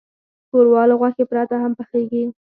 ښوروا له غوښې پرته هم پخیږي.